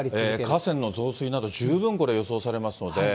河川の増水など、十分、これ、予想されますので。